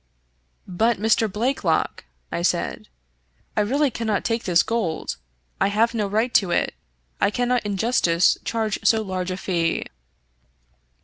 " But, Mr. Blakelock," I said, " I really cannot take this gold. I have no right to it. I cannot in justice charge so large a fee."